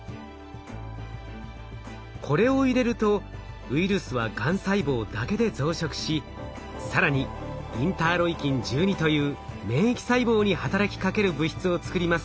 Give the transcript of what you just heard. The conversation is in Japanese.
これを入れるとウイルスはがん細胞だけで増殖し更にインターロイキン１２という免疫細胞に働きかける物質を作ります。